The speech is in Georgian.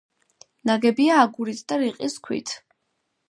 ნაგებია აგურით და რიყის ქვით.